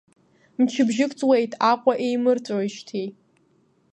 Мчыбжьык ҵуеит Аҟәа еимырҵәоижьҭеи!